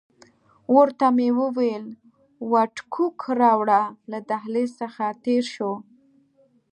ورته ومې ویل وډکوک راوړه، له دهلیز څخه تېر شوو.